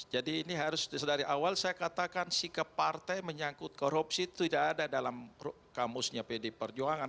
jadi ini harus dari awal saya katakan sikap partai menyangkut korupsi itu tidak ada dalam kamusnya pdi perjuangan